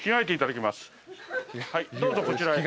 どうぞこちらへ。